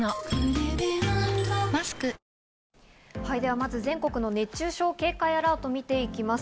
まず全国の熱中症警戒アラートを見ていきます。